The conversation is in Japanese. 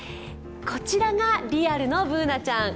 こちらがリアルのＢｏｏｎａちゃん。